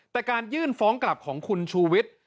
แต่การยื่นฟ้องกลับของคุณชูวิทย์